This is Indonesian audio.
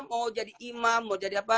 mau jadi imam mau jadi apa